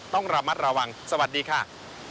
ต้องระมัดระวังสวัสดีค่ะ